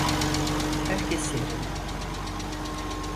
Herkes yerine!